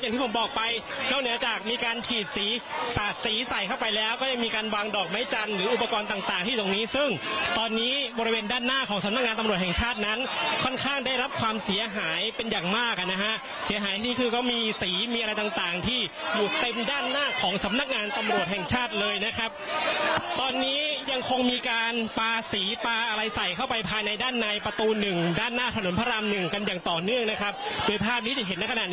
อย่างที่ผมบอกไปนอกจากมีการฉีดสีสาดสีใส่เข้าไปแล้วก็ยังมีการวางดอกไม้จันทร์หรืออุปกรณ์ต่างต่างที่อยู่ตรงนี้ซึ่งตอนนี้บริเวณด้านหน้าของสำนักงานตำรวจแห่งชาตินั้นค่อนข้างได้รับความเสียหายเป็นอย่างมากอ่ะนะฮะเสียหายนี่คือก็มีสีมีอะไรต่างต่างที่อยู่เต็มด้านหน้าของสำนักงานตำรวจ